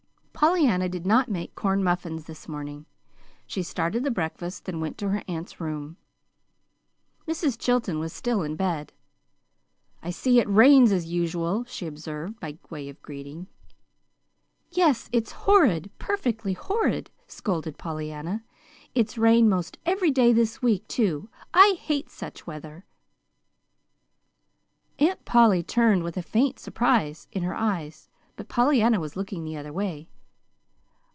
Pollyanna did not make corn muffins that morning. She started the breakfast, then went to her aunt's room. Mrs. Chilton was still in bed. "I see it rains, as usual," she observed, by way of greeting. "Yes, it's horrid perfectly horrid," scolded Pollyanna. "It's rained 'most every day this week, too. I hate such weather." Aunt Polly turned with a faint surprise in her eyes; but Pollyanna was looking the other way.